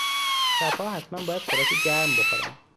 شبها حتما باید خوراک گرم بخورم.